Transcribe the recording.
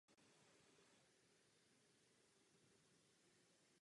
Při větším dešti způsobuje záplavy.